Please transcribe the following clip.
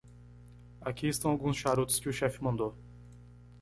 Aqui estão alguns charutos que o chefe mandou.